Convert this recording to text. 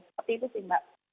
seperti itu sih mbak